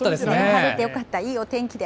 晴れてよかった、いいお天気で。